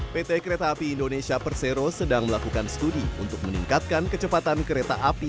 pt kereta api indonesia persero sedang melakukan studi untuk meningkatkan kecepatan kereta api